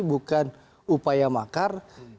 bukan upaya makar